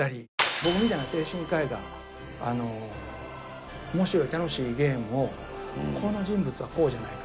僕みたいな精神科医が面白い楽しいゲームを「この人物はこうじゃないか」